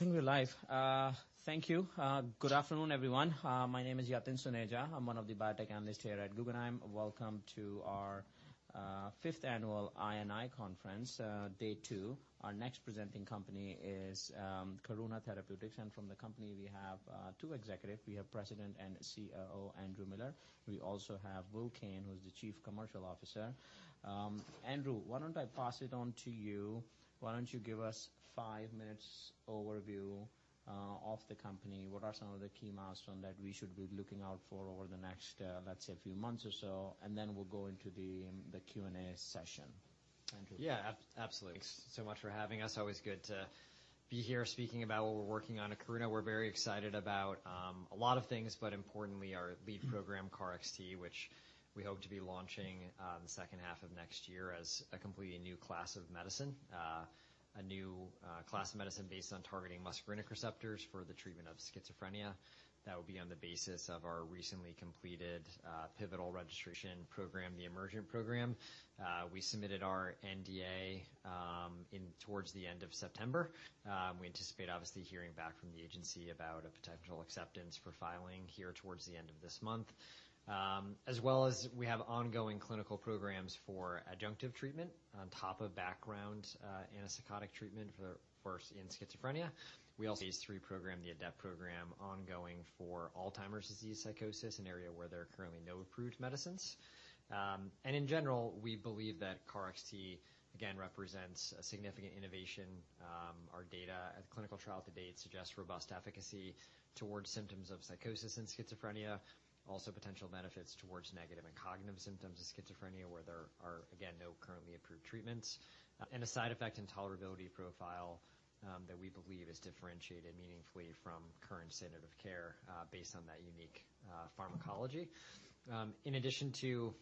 Hey, I think we're live. Thank you. Good afternoon, everyone. My name is Yatin Suneja. I'm one of the biotech analysts here at Guggenheim. Welcome to our fifth annual I&N Conference, day two. Our next presenting company is Karuna Therapeutics, and from the company, we have two executives. We have President and COO Andrew Miller. We also have Will Kane, who is the Chief Commercial Officer. Andrew, why don't I pass it on to you? Why don't you give us five minutes overview of the company? What are some of the key milestones that we should be looking out for over the next, let's say, a few months or so, and then we'll go into the Q&A session. Andrew? Yeah, absolutely. Thanks so much for having us. Always good to be here speaking about what we're working on at Karuna. We're very excited about, a lot of things, but importantly, our lead program, KarXT, which we hope to be launching, in the second half of next year as a completely new class of medicine. A new, class of medicine based on targeting muscarinic receptors for the treatment of schizophrenia. That will be on the basis of our recently completed, pivotal registration program, the EMERGENT program. We submitted our NDA, in towards the end of September. We anticipate, obviously, hearing back from the agency about a potential acceptance for filing here towards the end of this month. As well as we have ongoing clinical programs for adjunctive treatment on top of background, antipsychotic treatment for, first in schizophrenia. We also have a phase III program, the ADEPT Program, ongoing for Alzheimer's disease psychosis, an area where there are currently no approved medicines. And in general, we believe that KarXT, again, represents a significant innovation. Our data at the clinical trial to date suggests robust efficacy towards symptoms of psychosis and schizophrenia, also potential benefits towards negative and cognitive symptoms of schizophrenia, where there are, again, no currently approved treatments. And a side effect and tolerability profile that we believe is differentiated meaningfully from current standard of care, based on that unique pharmacology. In addition to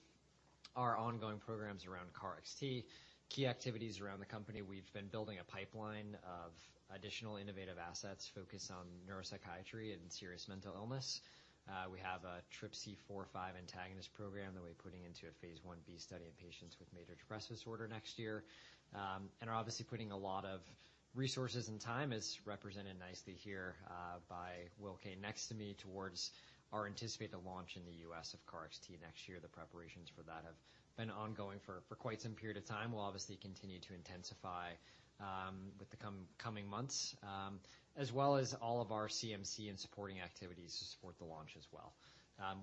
our ongoing programs around KarXT, key activities around the company, we've been building a pipeline of additional innovative assets focused on neuropsychiatry and serious mental illness. We have a TRPC4/5 antagonist program that we're putting into a phase Ib study in patients with major depressive disorder next year. And are obviously putting a lot of resources and time, as represented nicely here, by Will Kane next to me, towards our anticipated launch in the US of KarXT next year. The preparations for that have been ongoing for quite some period of time. We'll obviously continue to intensify with the coming months, as well as all of our CMC and supporting activities to support the launch as well.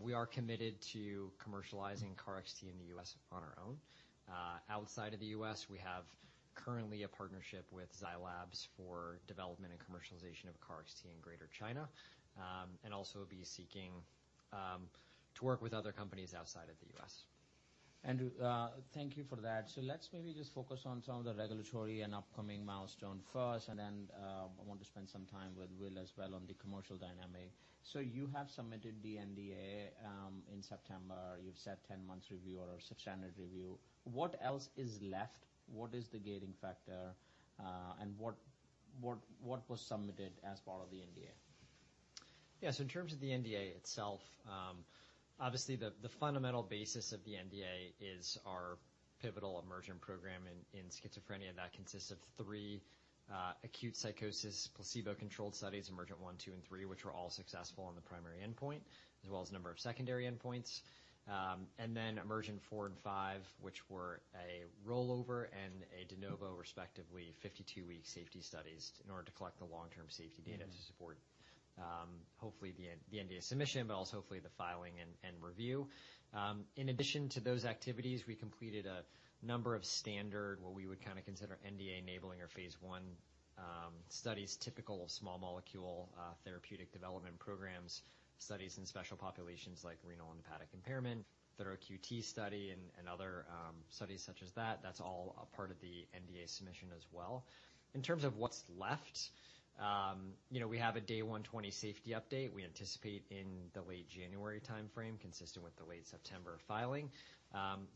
We are committed to commercializing KarXT in the US on our own. Outside of the US, we have currently a partnership with Zai Lab for development and commercialization of KarXT in Greater China, and also be seeking to work with other companies outside of the US. Andrew, thank you for that. So let's maybe just focus on some of the regulatory and upcoming milestone first, and then, I want to spend some time with Will as well on the commercial dynamic. So you have submitted the NDA, in September. You've said 10 months review or standard review. What else is left? What is the gating factor? And what was submitted as part of the NDA? Yeah. So in terms of the NDA itself, obviously the fundamental basis of the NDA is our pivotal EMERGENT program in schizophrenia. That consists of three acute psychosis, placebo-controlled studies, EMERGENT 1, 2, and 3, which were all successful on the primary endpoint, as well as a number of secondary endpoints. And then EMERGENT 4 and 5, which were a rollover and a de novo, respectively, 52-week safety studies in order to collect the long-term safety data- Mm-hmm. to support, hopefully the NDA submission, but also hopefully the filing and review. In addition to those activities, we completed a number of standard, what we would kind of consider NDA-enabling or phase I studies, typical of small molecule therapeutic development programs, studies in special populations like renal and hepatic impairment, thorough QT study and other studies such as that. That's all a part of the NDA submission as well. In terms of what's left, you know, we have a day 120 safety update. We anticipate in the late January timeframe, consistent with the late September filing.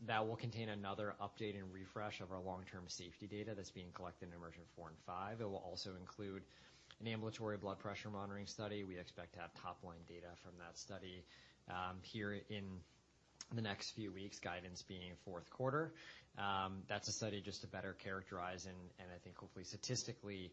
That will contain another update and refresh of our long-term safety data that's being collected in EMERGENT-4 and EMERGENT-5. It will also include an ambulatory blood pressure monitoring study. We expect to have top-line data from that study here in the next few weeks, guidance being fourth quarter. That's a study just to better characterize and I think hopefully statistically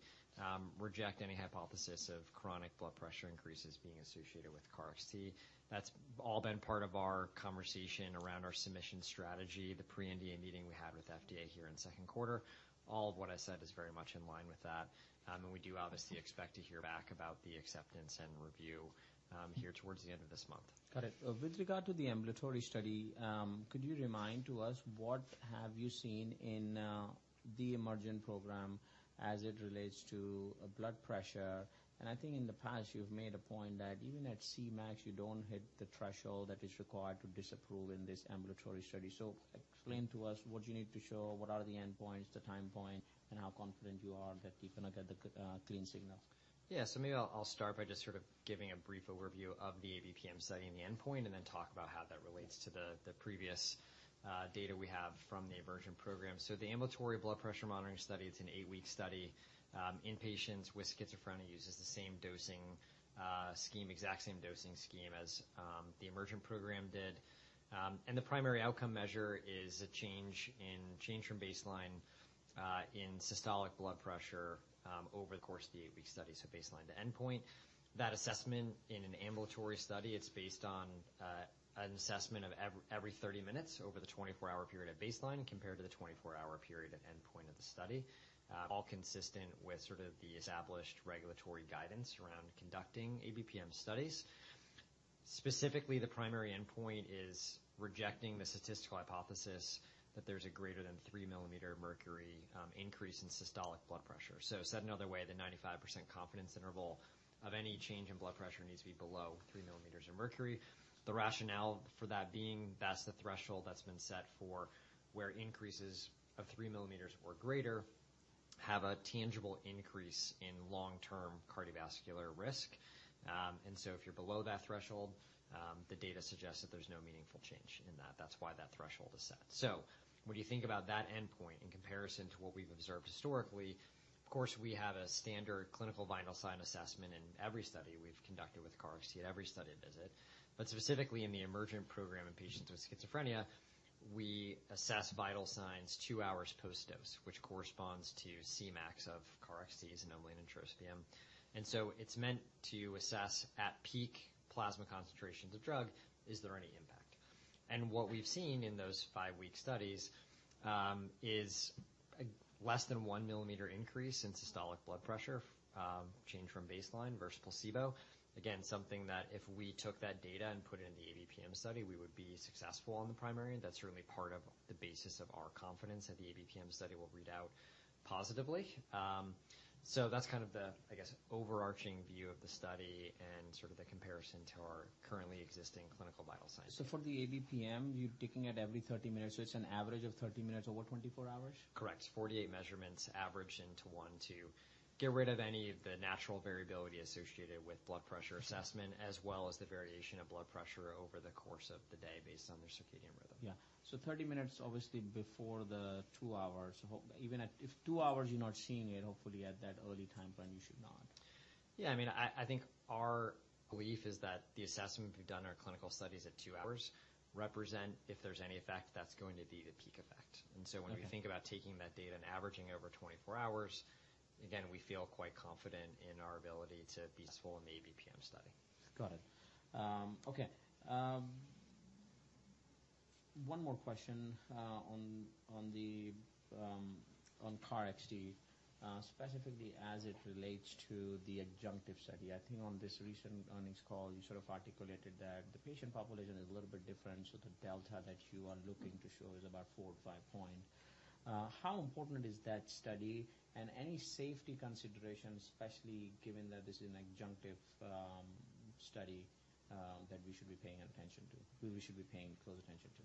reject any hypothesis of chronic blood pressure increases being associated with KarXT. That's all been part of our conversation around our submission strategy, the pre-NDA meeting we had with FDA here in the second quarter. All of what I said is very much in line with that, and we do obviously expect to hear back about the acceptance and review here towards the end of this month. Got it. With regard to the ambulatory study, could you remind to us, what have you seen in the EMERGENT program as it relates to blood pressure? And I think in the past, you've made a point that even at Cmax, you don't hit the threshold that is required to disapprove in this ambulatory study. So explain to us what you need to show, what are the endpoints, the time point, and how confident you are that you're going to get the clean signal? Yeah. So maybe I'll start by just sort of giving a brief overview of the ABPM study and the endpoint, and then talk about how that relates to the previous data we have from the EMERGENT program. So the ambulatory blood pressure monitoring study, it's an eight week study in patients with schizophrenia, uses the same dosing scheme, exact same dosing scheme as the EMERGENT program did. And the primary outcome measure is a change from baseline in systolic blood pressure over the course of the eight week study, so baseline to endpoint. That assessment in an ambulatory study, it's based on an assessment of every 30 minutes over the 24-hour period at baseline, compared to the 24-hour period at endpoint of the study. All consistent with sort of the established regulatory guidance around conducting ABPM studies. Specifically, the primary endpoint is rejecting the statistical hypothesis that there's a greater than 3 mm of mercury increase in systolic blood pressure. So said another way, the 95% confidence interval of any change in blood pressure needs to be below 3 mm of mercury. The rationale for that being, that's the threshold that's been set for where increases of 3 mm or greater have a tangible increase in long-term cardiovascular risk. And so if you're below that threshold, the data suggests that there's no meaningful change in that. That's why that threshold is set. So when you think about that endpoint in comparison to what we've observed historically, of course, we have a standard clinical vital sign assessment in every study we've conducted with KarXT, at every study visit. But specifically in the EMERGENT Program in patients with schizophrenia, we assess vital signs two hours post-dose, which corresponds to Cmax of KarXT, xanomeline and trospium. And so it's meant to assess at peak plasma concentrations of drug, is there any impact? And what we've seen in those five week studies is a less than 1 mm Hg increase in systolic blood pressure, change from baseline versus placebo. Again, something that if we took that data and put it in the ABPM study, we would be successful on the primary. That's certainly part of the basis of our confidence that the ABPM study will read out positively. So that's kind of the, I guess, overarching view of the study and sort of the comparison to our currently existing clinical vital signs. So for the ABPM, you're taking it every 30 minutes, so it's an average of 30 minutes over 24 hours? Correct. 48 measurements averaged into one to get rid of any of the natural variability associated with blood pressure assessment, as well as the variation of blood pressure over the course of the day based on their circadian rhythm. Yeah. So 30 minutes, obviously, before the two hours. So even at—if 2 hours, you're not seeing it, hopefully at that early time frame, you should not. Yeah, I mean, I think our belief is that the assessment we've done our clinical studies at two hours represent if there's any effect. That's going to be the peak effect. Okay. And so when we think about taking that data and averaging over 24 hours, again, we feel quite confident in our ability to be successful in the ABPM study. Got it. Okay. One more question on KarXT, specifically as it relates to the adjunctive study. I think on this recent earnings call, you sort of articulated that the patient population is a little bit different, so the delta that you are looking to show is aboutfour or five point. How important is that study, and any safety considerations, especially given that this is an adjunctive study that we should be paying attention to? We should be paying close attention to?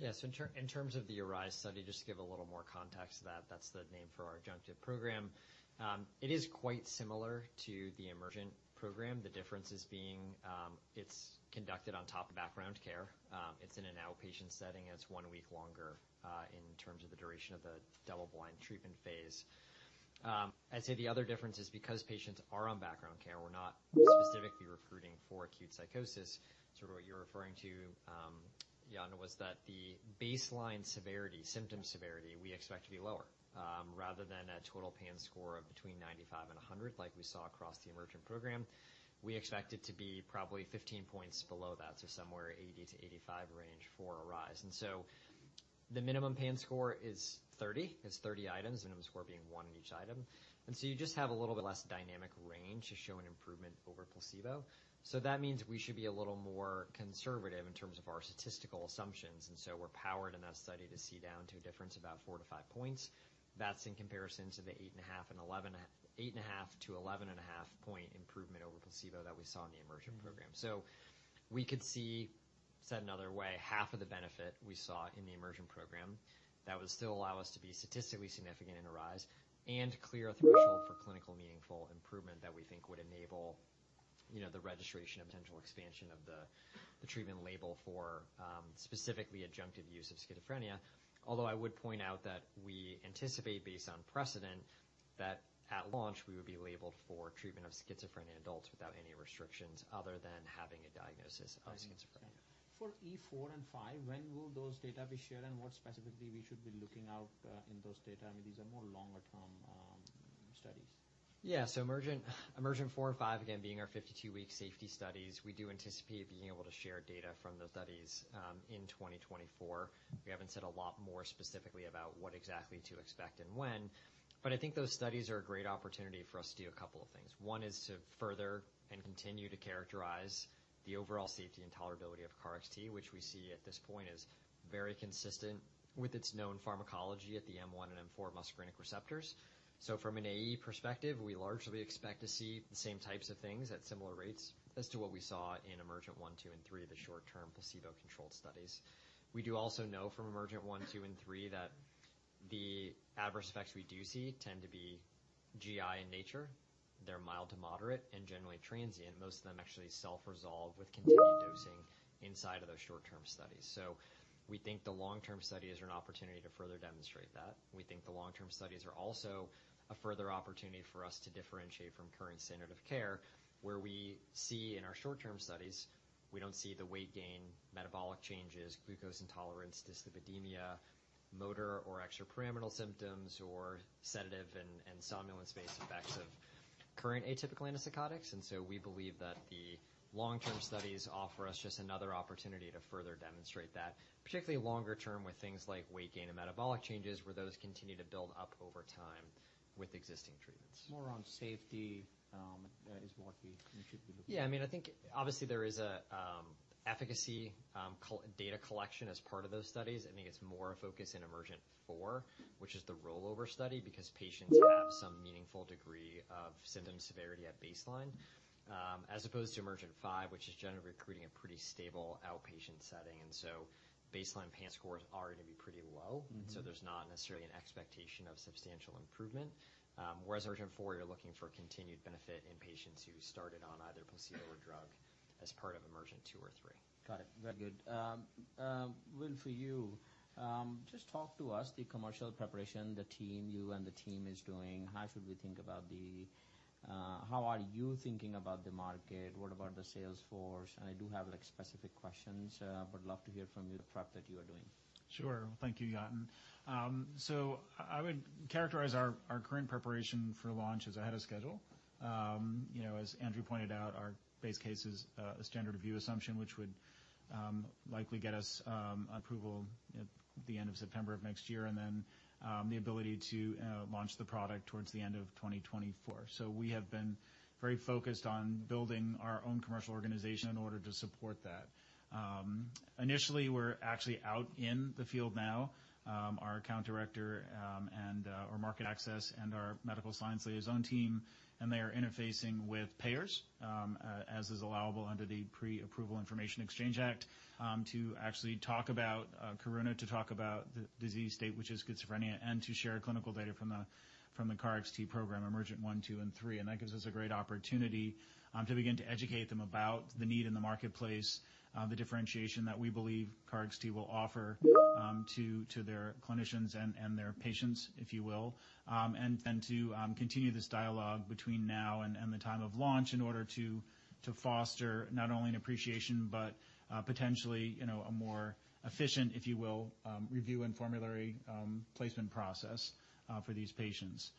Yes. In terms of the ARISE study, just to give a little more context to that, that's the name for our adjunctive program. It is quite similar to the EMERGENT program. The differences being, it's conducted on top of background care, it's in an outpatient setting, it's one week longer, in terms of the duration of the double-blind treatment phase. I'd say the other difference is because patients are on background care, we're not specifically recruiting for acute psychosis. So what you're referring to, Yatin, was that the baseline severity, symptom severity, we expect to be lower. Rather than a total PANSS score of between 95 and 100, like we saw across the EMERGENT program, we expect it to be probably 15 points below that, so somewhere 80-85 range for ARISE. And so the minimum PANSS score is 30. It's 30 items, minimum score being one in each item. So you just have a little bit less dynamic range to show an improvement over placebo. So that means we should be a little more conservative in terms of our statistical assumptions, and so we're powered in that study to see down to a difference about four to five points. That's in comparison to the 8.5 and 11... 8.5-11.5-point improvement over placebo that we saw in the EMERGENT program. So we could see, said another way, half of the benefit we saw in the EMERGENT program, that would still allow us to be statistically significant and ARISE, and clear a threshold for clinically meaningful improvement that we think would enable, you know, the registration and potential expansion of the, the treatment label for, specifically adjunctive use of schizophrenia. Although I would point out that we anticipate, based on precedent, that at launch, we would be labeled for treatment of schizophrenia in adults without any restrictions other than having a diagnosis of schizophrenia. For EMERGENT-4 and 5, when will those data be shared, and what specifically we should be looking out in those data? I mean, these are more longer-term studies. Yeah, so EMERGENT-4 and -5, again, being our 52-week safety studies, we do anticipate being able to share data from those studies in 2024. We haven't said a lot more specifically about what exactly to expect and when, but I think those studies are a great opportunity for us to do a couple of things. One is to further and continue to characterize the overall safety and tolerability of KarXT, which we see at this point is very consistent with its known pharmacology at the M1 and M4 muscarinic receptors. So from an AE perspective, we largely expect to see the same types of things at similar rates as to what we saw in EMERGENT-1, -2, and -3, the short-term placebo-controlled studies. We do also know from EMERGENT-1, -2, and -3, that the adverse effects we do see tend to be GI in nature. They're mild to moderate and generally transient. Most of them actually self-resolve with continued dosing inside of those short-term studies. So we think the long-term studies are an opportunity to further demonstrate that. We think the long-term studies are also a further opportunity for us to differentiate from current standard of care, where, in our short-term studies, we don't see the weight gain, metabolic changes, glucose intolerance, dyslipidemia, motor or extrapyramidal symptoms, or sedative and somnolence-based effects of current atypical antipsychotics, and so we believe that the long-term studies offer us just another opportunity to further demonstrate that, particularly longer term, with things like weight gain and metabolic changes, where those continue to build up over time with existing treatments. More on safety, is what we should be looking at? Yeah, I mean, I think obviously there is a efficacy data collection as part of those studies. I think it's more a focus in EMERGENT-4, which is the rollover study, because patients have some meaningful degree of symptom severity at baseline. As opposed to EMERGENT-5, which is generally recruiting a pretty stable outpatient setting, and so baseline PANSS scores are going to be pretty low. Mm-hmm. So there's not necessarily an expectation of substantial improvement. Whereas EMERGENT-4, you're looking for continued benefit in patients who started on either placebo or drug as part of EMERGENT-2 or 3. Got it. Very good. Will, for you, just talk to us, the commercial preparation, the team, you and the team is doing. How should we think about the... How are you thinking about the market? What about the sales force? And I do have, like, specific questions. I would love to hear from you, the prep that you are doing. Sure. Thank you, Yatin. So I would characterize our current preparation for launch as ahead of schedule. You know, as Andrew pointed out, our base case is a standard review assumption, which would likely get us approval at the end of September of next year, and then the ability to launch the product towards the end of 2024. So we have been very focused on building our own commercial organization in order to support that. Initially, we're actually out in the field now, our account director, and our market access and our medical science liaison team, and they are interfacing with payers, as is allowable under the Pre-Approval Information Exchange Act, to actually talk about Karuna, to talk about the disease state, which is schizophrenia, and to share clinical data from the KarXT program, EMERGENT-1, EMERGENT-2, and EMERGENT-3. That gives us a great opportunity to begin to educate them about the need in the marketplace, the differentiation that we believe KarXT will offer, to their clinicians and their patients, if you will. And then to continue this dialogue between now and the time of launch in order to foster not only an appreciation, but potentially, you know, a more efficient, if you will, review and formulary placement process for these patients.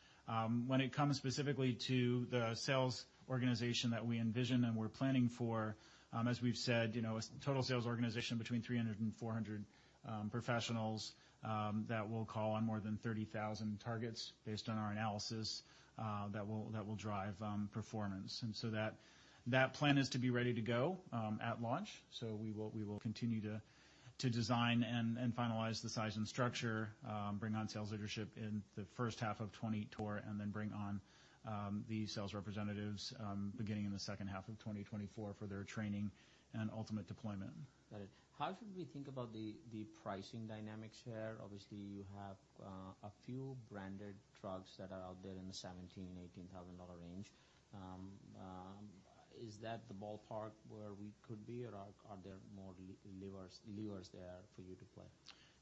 When it comes specifically to the sales organization that we envision and we're planning for, as we've said, you know, a total sales organization between 300 and 400 professionals that will call on more than 30,000 targets based on our analysis, that will drive performance. And so that plan is to be ready to go at launch. So we will continue to design and finalize the size and structure, bring on sales leadership in the first half of 2024, and then bring on the sales representatives, beginning in the second half of 2024 for their training and ultimate deployment. Got it. How should we think about the pricing dynamics here? Obviously, you have a few branded drugs that are out there in the $17,000-$18,000 range. Is that the ballpark where we could be, or are there more levers there for you to play?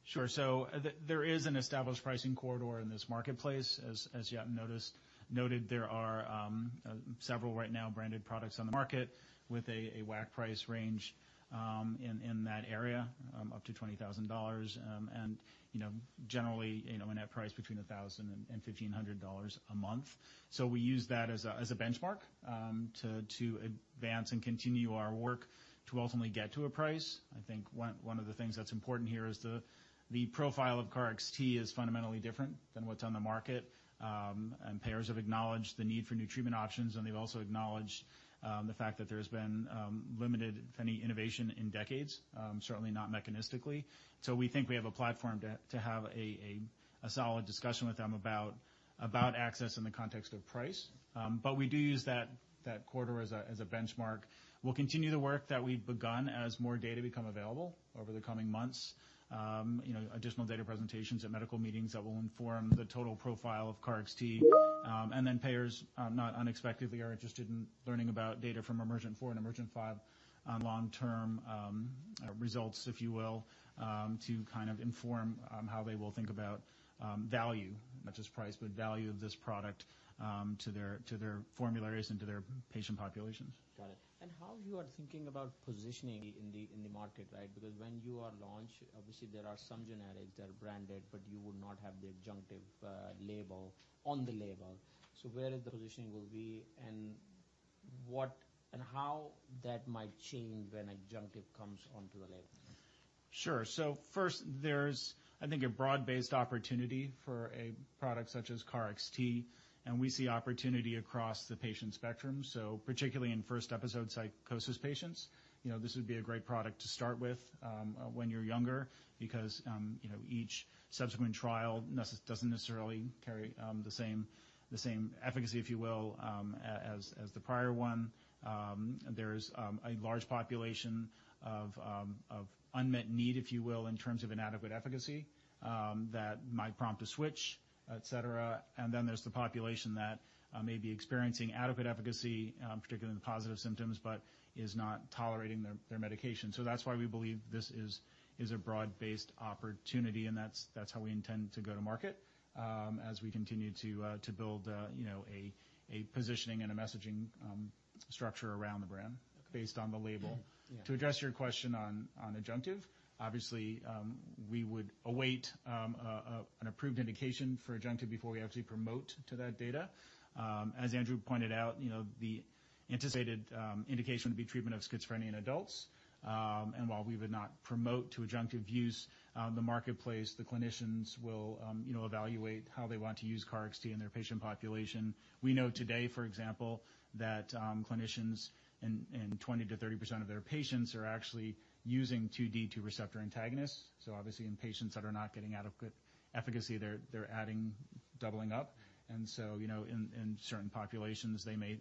Sure. So there is an established pricing corridor in this marketplace. As Yatin noted, there are several right now branded products on the market with a WAC price range in that area up to $20,000. And, you know, generally, you know, a net price between $1,000 and $1,500 a month. So we use that as a benchmark to advance and continue our work to ultimately get to a price. I think one of the things that's important here is the profile of KarXT is fundamentally different than what's on the market. And payers have acknowledged the need for new treatment options, and they've also acknowledged the fact that there's been limited, if any, innovation in decades, certainly not mechanistically. So we think we have a platform to have a solid discussion with them about access in the context of price. But we do use that corridor as a benchmark. We'll continue the work that we've begun as more data become available over the coming months. You know, additional data presentations at medical meetings that will inform the total profile of KarXT. And then payers, not unexpectedly, are interested in learning about data from EMERGENT-4 and EMERGENT-5 on long-term results, if you will, to kind of inform how they will think about value, not just price, but value of this product to their formularies and to their patient populations. Got it. And how you are thinking about positioning in the market, right? Because when you are launch, obviously there are some generics that are branded, but you would not have the adjunctive label on the label. So where is the positioning will be and what and how that might change when adjunctive comes onto the label? Sure. So first, there's, I think, a broad-based opportunity for a product such as KarXT, and we see opportunity across the patient spectrum. So particularly in first-episode psychosis patients, you know, this would be a great product to start with, when you're younger, because, you know, each subsequent trial doesn't necessarily carry the same efficacy, if you will, as the prior one. There's a large population of unmet need, if you will, in terms of inadequate efficacy that might prompt a switch, et cetera. And then there's the population that may be experiencing adequate efficacy, particularly in the positive symptoms, but is not tolerating their medication. So that's why we believe this is a broad-based opportunity, and that's how we intend to go to market, as we continue to build, you know, a positioning and a messaging plan structure around the brand based on the label. Yeah. To address your question on adjunctive, obviously, we would await an approved indication for adjunctive before we actually promote to that data. As Andrew pointed out, you know, the anticipated indication would be treatment of schizophrenia in adults. And while we would not promote to adjunctive use, the marketplace, the clinicians will, you know, evaluate how they want to use KarXT in their patient population. We know today, for example, that clinicians in 20%-30% of their patients are actually using two D2 receptor antagonists. So obviously in patients that are not getting adequate efficacy, they're adding, doubling up. And so, you know, in certain populations, they may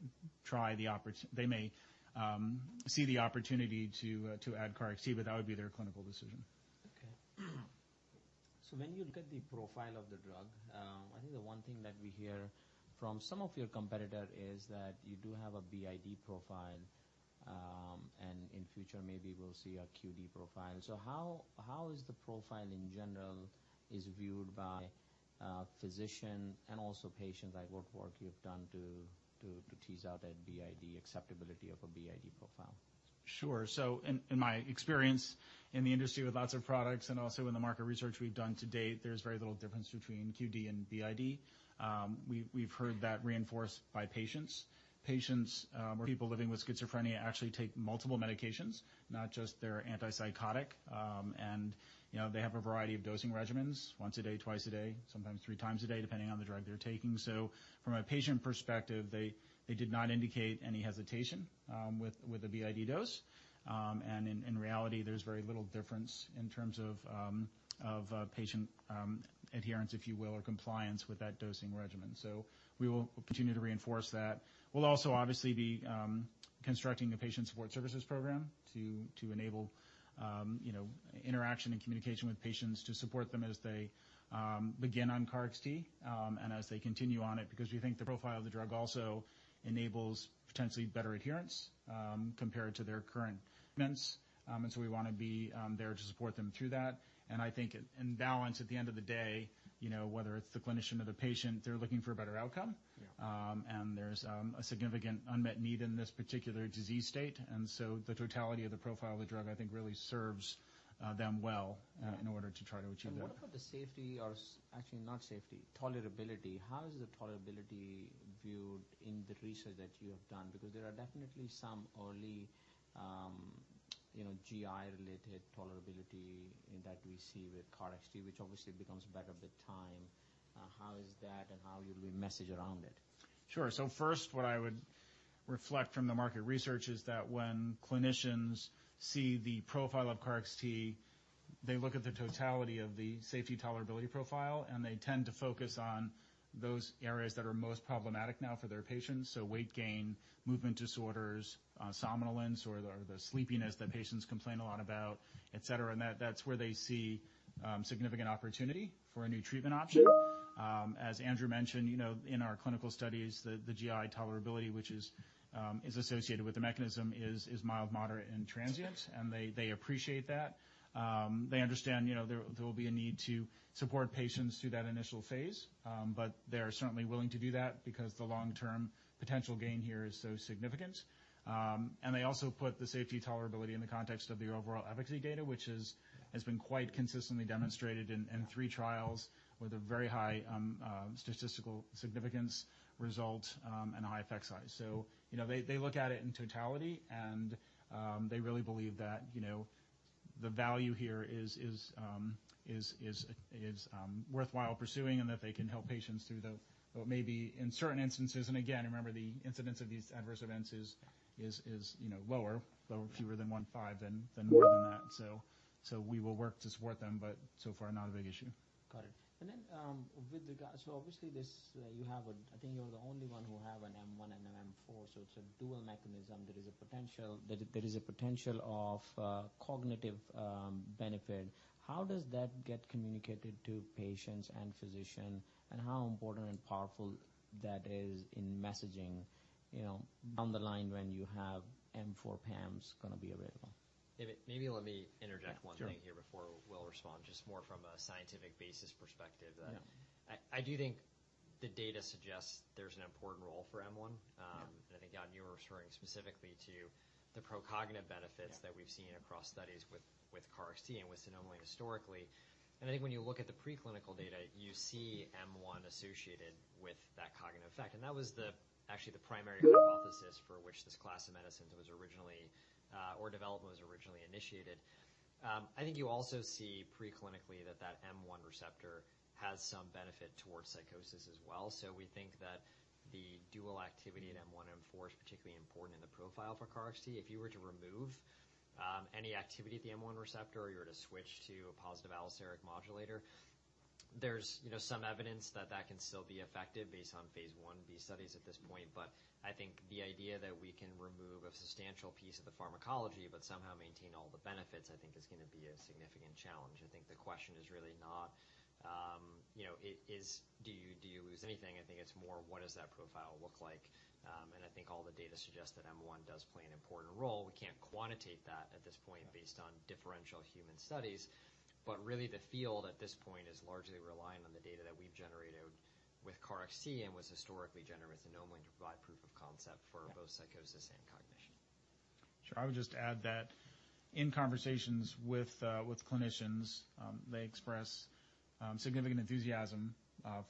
see the opportunity to add KarXT, but that would be their clinical decision. Okay. So when you look at the profile of the drug, I think the one thing that we hear from some of your competitor is that you do have a BID profile, and in future, maybe we'll see a QD profile. So how is the profile in general viewed by physician and also patients? Like, what work you've done to tease out that BID acceptability of a BID profile? Sure. So in my experience in the industry with lots of products and also in the market research we've done to date, there's very little difference between QD and BID. We've heard that reinforced by patients. Patients, or people living with schizophrenia actually take multiple medications, not just their antipsychotic. And, you know, they have a variety of dosing regimens, once a day, twice a day, sometimes three times a day, depending on the drug they're taking. So from a patient perspective, they did not indicate any hesitation, with a BID dose. And in reality, there's very little difference in terms of patient adherence, if you will, or compliance with that dosing regimen. So we will continue to reinforce that. We'll also obviously be constructing a patient support services program to, to enable, you know, interaction and communication with patients to support them as they begin on KarXT, and as they continue on it, because we think the profile of the drug also enables potentially better adherence compared to their current meds. And so we want to be there to support them through that. And I think in balance, at the end of the day, you know, whether it's the clinician or the patient, they're looking for a better outcome. Yeah. And there's a significant unmet need in this particular disease state, and so the totality of the profile of the drug, I think, really serves them well in order to try to achieve that. What about the safety. Actually, not safety, tolerability. How is the tolerability viewed in the research that you have done? Because there are definitely some early, you know, GI-related tolerability that we see with KarXT, which obviously becomes better with time. How is that and how you will message around it? Sure. So first, what I would reflect from the market research is that when clinicians see the profile of KarXT, they look at the totality of the safety tolerability profile, and they tend to focus on those areas that are most problematic now for their patients. So weight gain, movement disorders, somnolence, or the sleepiness that patients complain a lot about, et cetera. And that's where they see significant opportunity for a new treatment option. As Andrew mentioned, you know, in our clinical studies, the GI tolerability, which is associated with the mechanism, is mild, moderate, and transient, and they appreciate that. They understand, you know, there will be a need to support patients through that initial phase, but they're certainly willing to do that because the long-term potential gain here is so significant. And they also put the safety tolerability in the context of the overall efficacy data, which has been quite consistently demonstrated in three trials with a very high statistical significance result and a high effect size. So, you know, they look at it in totality, and they really believe that, you know, the value here is worthwhile pursuing and that they can help patients through the what may be in certain instances. And again, remember, the incidence of these adverse events is, you know, lower, fewer than 15 than more than that. So we will work to support them, but so far, not a big issue. Got it. And then, with regards so obviously, this, you have I think you're the only one who have an M1 and an M4, so it's a dual mechanism. There is a potential of cognitive benefit. How does that get communicated to patients and physicians, and how important and powerful that is in messaging, you know, down the line when you have M4 PAMs going to be available? Maybe, maybe let me interject one thing- Sure. Here before Will respond, just more from a scientific basis perspective. Yeah. I do think the data suggests there's an important role for M1. Yeah. And I think, Gavin, you were referring specifically to the pro-cognitive benefits. Yeah. -that we've seen across studies with KarXT and with xanomeline historically. And I think when you look at the preclinical data, you see M1 associated with that cognitive effect, and that was actually the primary hypothesis for which this class of medicines was originally or development was originally initiated. I think you also see preclinically that that M1 receptor has some benefit towards psychosis as well. So we think that the dual activity at M1, M4 is particularly important in the profile for KarXT. If you were to remove any activity at the M1 receptor, or you were to switch to a positive allosteric modulator, there's you know some evidence that that can still be effective based on Phase Ib studies at this point. But I think the idea that we can remove a substantial piece of the pharmacology but somehow maintain all the benefits, I think is going be a significant challenge. I think the question is really not, you know, it is, do you, do you lose anything? I think it's more, what does that profile look like? And I think all the data suggests that M1 does play an important role. We can't quantitate that at this point based on differential human studies... But really the field at this point is largely relying on the data that we've generated with KarXT and was historically generated with the xanomeline to provide proof of concept for both psychosis and cognition. Sure. I would just add that in conversations with with clinicians, they express significant enthusiasm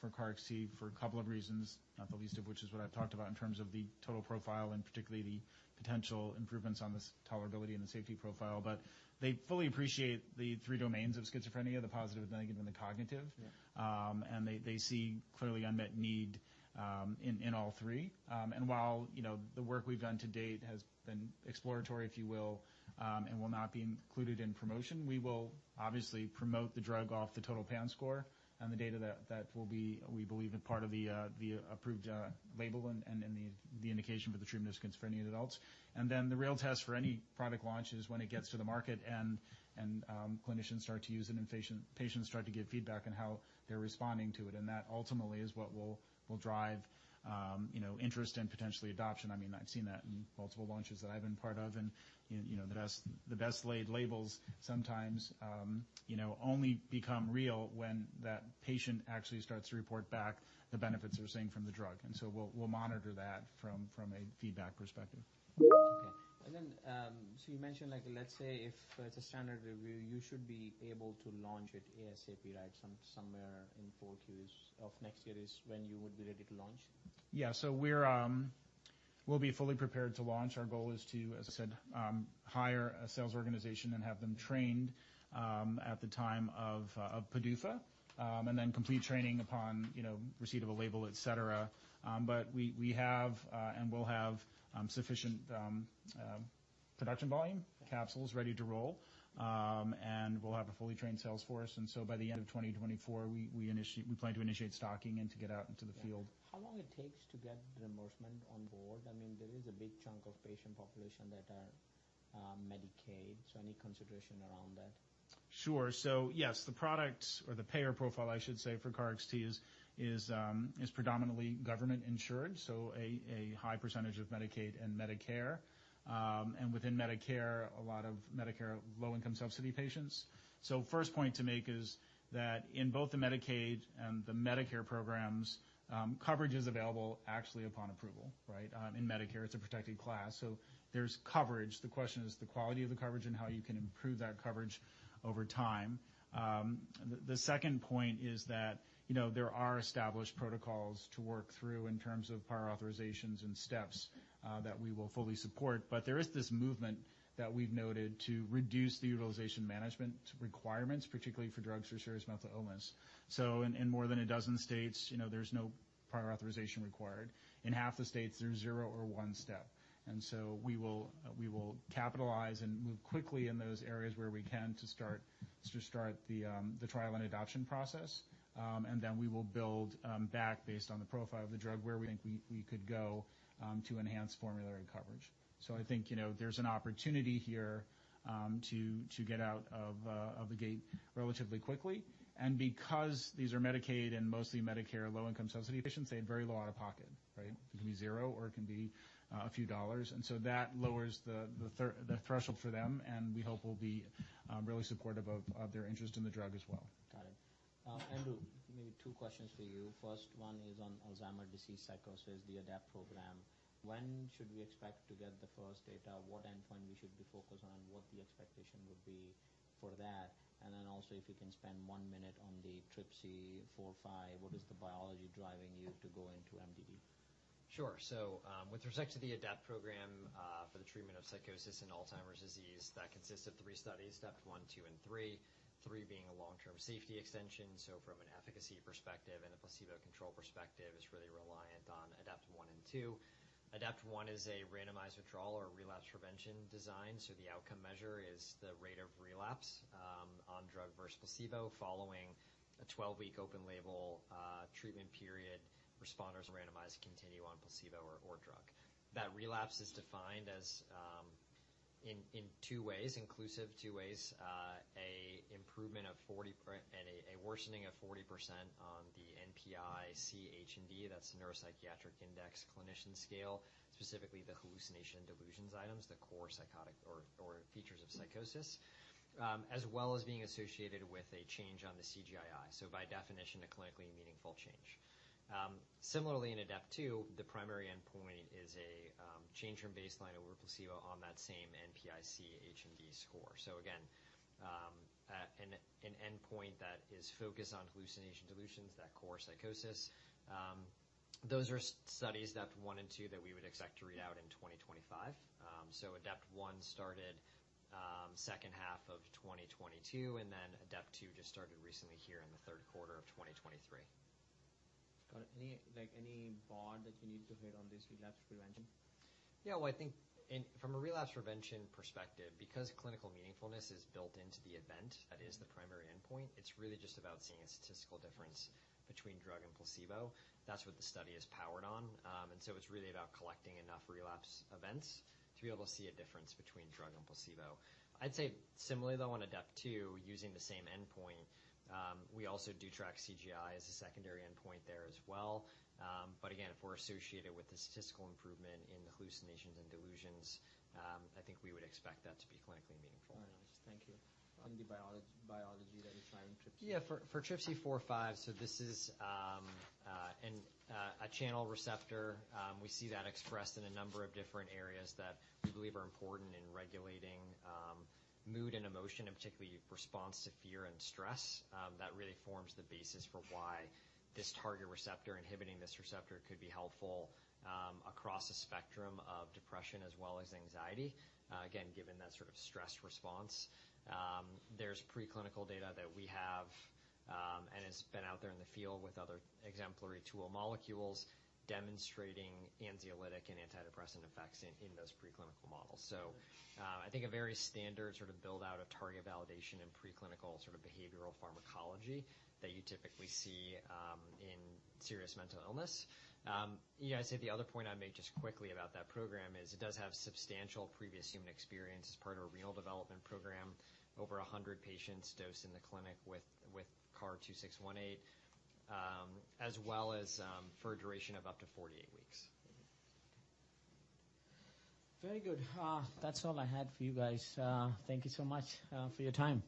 for KarXT for a couple of reasons, not the least of which is what I've talked about in terms of the total profile and particularly the potential improvements on the tolerability and the safety profile. But they fully appreciate the three domains of schizophrenia, the positive and negative, and the cognitive. Yeah. They see clearly unmet need in all three. And while, you know, the work we've done to date has been exploratory, if you will, and will not be included in promotion, we will obviously promote the drug off the total PANSS score and the data that will be, we believe, a part of the approved label and the indication for the treatment of schizophrenia in adults. And then the real test for any product launch is when it gets to the market and clinicians start to use it, and patients start to give feedback on how they're responding to it. And that ultimately is what will drive, you know, interest and potentially adoption. I mean, I've seen that in multiple launches that I've been part of, and, you know, the best laid labels sometimes, you know, only become real when that patient actually starts to report back the benefits they're seeing from the drug. And so we'll monitor that from a feedback perspective. Okay. And then, so you mentioned like, let's say if it's a standard review, you should be able to launch it ASAP, right? Somewhere in four Qs of next year is when you would be ready to launch. Yeah. So we're fully prepared to launch. Our goal is to, as I said, hire a sales organization and have them trained at the time of PDUFA and then complete training upon, you know, receipt of a label, et cetera. But we have and we'll have sufficient production volume, capsules ready to roll. And we'll have a fully trained sales force. And so by the end of 2024, we plan to initiate stocking and to get out into the field. Yeah. How long it takes to get reimbursement on board? I mean, there is a big chunk of patient population that are, Medicaid, so any consideration around that? Sure. So yes, the product or the payer profile, I should say, for KarXT is predominantly government insured, so a high percentage of Medicaid and Medicare, and within Medicare, a lot of Medicare low-income subsidy patients. So first point to make is that in both the Medicaid and the Medicare programs, coverage is available actually upon approval, right? In Medicare, it's a protected class, so there's coverage. The question is the quality of the coverage and how you can improve that coverage over time. The second point is that, you know, there are established protocols to work through in terms of prior authorizations and steps that we will fully support. But there is this movement that we've noted to reduce the utilization management requirements, particularly for drugs for serious mental illness. So in more than a dozen states, you know, there's no prior authorization required. In half the states, there's zero or one step, and so we will capitalize and move quickly in those areas where we can to start the trial and adoption process. And then we will build back based on the profile of the drug, where we think we could go to enhance formulary coverage. So I think, you know, there's an opportunity here to get out of the gate relatively quickly. And because these are Medicaid and mostly Medicare, low-income subsidy patients, they have very low out-of-pocket, right? It can be zero, or it can be a few dollars, and so that lowers the threshold for them, and we hope will be really supportive of their interest in the drug as well. Got it. Andrew, maybe two questions for you. First one is on Alzheimer's disease psychosis, the ADEPT program. When should we expect to get the first data? What endpoint we should be focused on, what the expectation would be for that? And then also, if you can spend one minute on the TRPC4/5, what is the biology driving you to go into MDD? Sure. So, with respect to the ADEPT program, for the treatment of psychosis in Alzheimer's disease, that consists of 3 studies ADEPT-1, 2, and 3. 3 being a long-term safety extension, so from an efficacy perspective and a placebo-controlled perspective, is really reliant on ADEPT-1 and 2. ADEPT-1 is a randomized withdrawal or relapse prevention design, so the outcome measure is the rate of relapse on drug versus placebo. Following a 12-week open-label treatment period, responders randomized to continue on placebo or drug. That relapse is defined as in two ways, inclusive two ways. An improvement of 40 per... and a worsening of 40% on the NPI-C H+D, that's the Neuropsychiatric Index Clinician Scale, specifically the hallucination and delusions items, the core psychotic or features of psychosis, as well as being associated with a change on the CGI. So by definition, a clinically meaningful change. Similarly, in ADEPT-2, the primary endpoint is change from baseline over placebo on that same NPI-C H+D score. So again, an endpoint that is focused on hallucination, delusions, that core psychosis. Those are studies, ADEPT-1 and 2, that we would expect to read out in 2025. So ADEPT-1 started second half of 2022, and then ADEPT-2 just started recently here in the third quarter of 2023. Got it. Any, like, any bar that you need to hit on this relapse prevention? Yeah, well, I think from a relapse prevention perspective, because clinical meaningfulness is built into the event, that is the primary endpoint, it's really just about seeing a statistical difference between drug and placebo. That's what the study is powered on. And so it's really about collecting enough relapse events to be able to see a difference between drug and placebo. I'd say similarly, though, on ADEPT-2, using the same endpoint, we also do track CGI as a secondary endpoint there as well. But again, if we're associated with the statistical improvement in the hallucinations and delusions, I think we would expect that to be clinically meaningful. All right, thank you. On the biology, biology that you're trying in TRPC? Yeah, for TRPC4/5, so this is a channel receptor. We see that expressed in a number of different areas that we believe are important in regulating mood and emotion, and particularly response to fear and stress. That really forms the basis for why this target receptor, inhibiting this receptor, could be helpful across a spectrum of depression as well as anxiety. Again, given that sort of stress response, there's preclinical data that we have, and it's been out there in the field with other exemplary tool molecules demonstrating anxiolytic and antidepressant effects in those preclinical models. So, I think a very standard sort of build-out of target validation and preclinical sort of behavioral pharmacology that you typically see in serious mental illness. Yeah, I'd say the other point I'd make just quickly about that program is it does have substantial previous human experience as part of a renal development program. Over 100 patients dosed in the clinic with KAR-2618, as well as for a duration of up to 48 weeks. Very good. That's all I had for you guys. Thank you so much, for your time.